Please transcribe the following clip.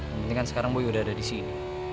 yang penting kan sekarang buy udah ada di sini